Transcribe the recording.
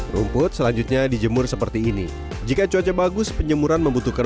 rumput selanjutnya dijemur seperti ini jika cuaca bagus penyemuran membutuhkan